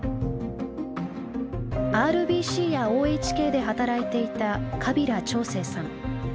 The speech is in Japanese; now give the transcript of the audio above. ＲＢＣやＯＨＫで働いていた川平朝清さん。